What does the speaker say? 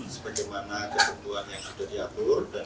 sebagaimana ketentuan yang sudah diatur